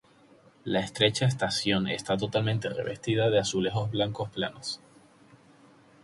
La estrecha estación está totalmente revestida de azulejos blancos planos.